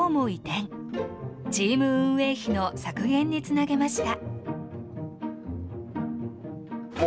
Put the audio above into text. チーム運営費の削減につなげました。